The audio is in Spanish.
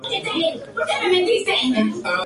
Todas las provincias llevan el nombre de su capital.